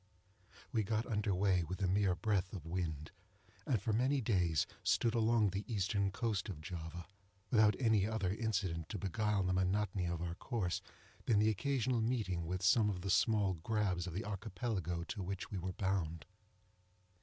We got under way with a mere breath of wind, and for many days stood along the eastern coast of Java, without any other incident to beguile the monotony of our course than the occasional meeting with some of the small grabs of the Archipelago to which we were bound.